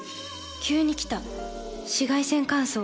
急に来た紫外線乾燥。